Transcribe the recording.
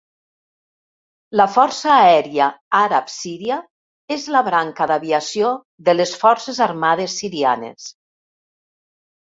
La Força Aèria Àrab Síria és la branca d'aviació de les Forces Armades Sirianes.